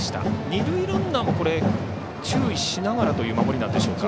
二塁ランナーも注意しながらという守りでしょうか。